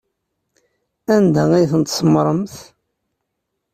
Anda ay ten-tsemmṛemt?